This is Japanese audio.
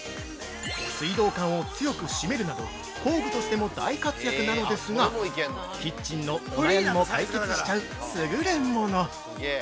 水道管を強く締めるなど工具としても大活躍なのですがキッチンのお悩みも解決しちゃう優れもの。